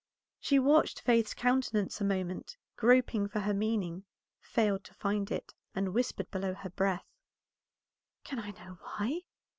She watched Faith's countenance a moment, groping for her meaning, failed to find it, and whispered below her breath "Can I know why?"